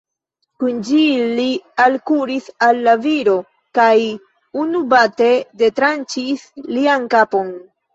Kun ĝi li alkuris al la viro, kaj unubate detranĉis lian kapon.